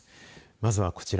まずはこちら。